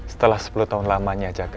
setelah sepuluh tahun lamanya jaga